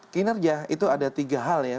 kinerja itu ada tiga hal ya